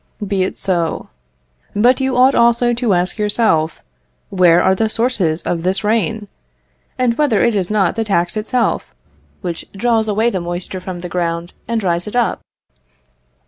Be it so. But you ought also to ask yourself where are the sources of this rain, and whether it is not the tax itself which draws away the moisture from the ground and dries it up?